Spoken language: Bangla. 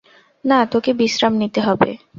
না, তোকে বিশ্রাম নিতে হবে।